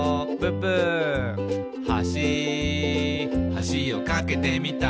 「はしはしを架けてみた」